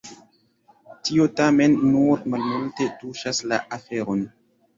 Tio tamen nur malmulte tuŝas la aferon.